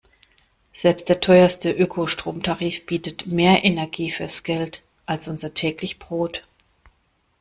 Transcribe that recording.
Selbst der teuerste Ökostromtarif bietet mehr Energie fürs Geld als unser täglich Brot.